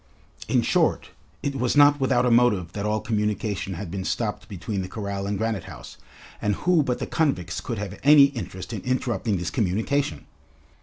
In short, it was not without a motive that all communication had been stopped between the corral and Granite House, and who but the convicts could have any interest in interrupting this communication?